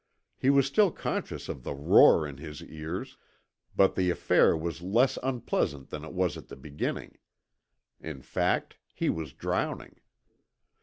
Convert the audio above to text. He was still conscious of the roar in his ears, but the affair was less unpleasant than it was at the beginning. In fact, he was drowning.